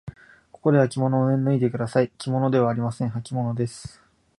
ここではきものを脱いでください。きものではありません。はきものです。